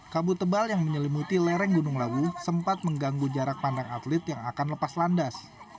kabut tebal yang menyelimuti lereng gunung lawu sempat mengganggu jarak pandang atlet yang akan lepas landas